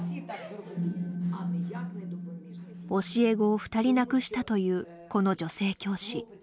教え子を２人亡くしたというこの女性教師。